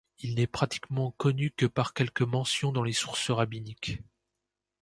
Il n'est pratiquement connu que par quelques mentions dans les sources rabbiniques.